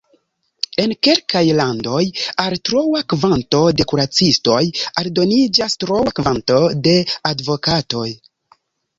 En kelkaj landoj, al troa kvanto de kuracistoj aldoniĝas troa kvanto de advokatoj.